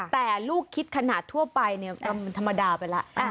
แต่ลูกคิดขนาดทั่วไปเนี่ยก็มันธรรมดาไปแล้ว